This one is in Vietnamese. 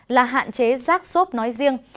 là hạn chế rác xốp nói riêng